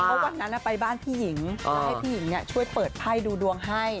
เพราะวันนั้นไปบ้านพี่หญิงให้พี่หญิงช่วยเปิดไพ่ดูดวงให้